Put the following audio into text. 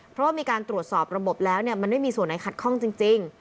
เพราะว่ามีการตรวจสอบระบบแล้วมันไม่มีส่วนไหนขัดข้องจริง